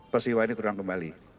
persiwa ini turun kembali